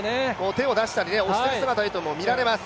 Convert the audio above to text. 手を出したり押している姿も見られます。